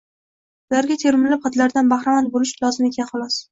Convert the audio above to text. ularga termilib, hidlaridan bahramand bo‘lish lozim ekan, xolos.